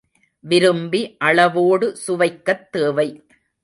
விரும்பி அளவோடு சுவைக்கத் தேவை.